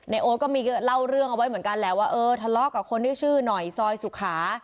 โอ๊ตก็มีเล่าเรื่องเอาไว้เหมือนกันแหละว่าเออทะเลาะกับคนที่ชื่อหน่อยซอยสุขา